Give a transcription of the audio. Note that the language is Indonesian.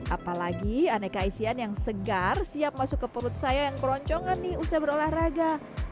apalagi aneka isian yang segar siap masuk ke perut saya yang keroncongan nih usai berolahraga